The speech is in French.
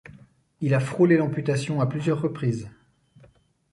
Il a frôlé l'amputation à plusieurs reprises.